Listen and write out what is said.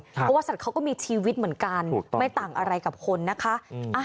เพราะว่าสัตว์เขาก็มีชีวิตเหมือนกันไม่ต่างอะไรกับคนนะคะ